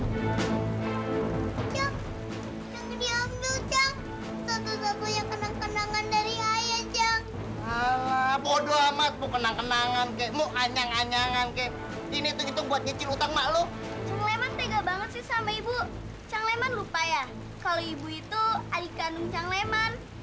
siang laman lupa ya kalau ibu itu adik kandung siang laman